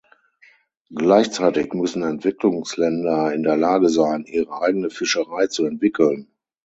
Gleichzeitig müssen Entwicklungsländer in der Lage sein, ihre eigene Fischerei zu entwickeln.